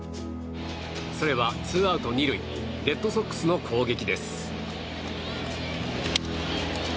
それはツーアウト２塁レッドソックスの攻撃です。